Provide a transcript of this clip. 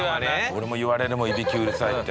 俺も言われるもんいびきうるさいって。